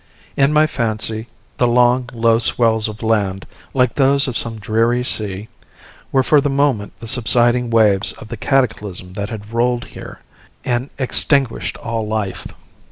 In my fancy the long, low swells of land, like those of some dreary sea, were for the moment the subsiding waves of the cataclysm that had rolled here and extinguished all life.